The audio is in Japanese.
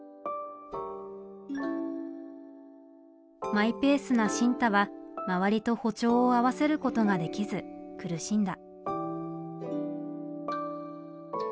マイペースな新太は周りと歩調を合わせることができず苦しんだ。